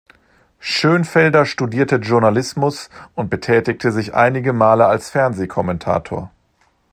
Schoenfelder studierte Journalismus und betätigte sich einige Male als Fernsehkommentator.